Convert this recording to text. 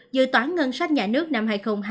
dự toán ngân sách nhà nước năm hai nghìn hai mươi